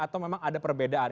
atau memang ada perbedaan